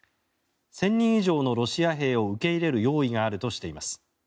１０００人以上のロシア兵を受け入れる用意があるとしています。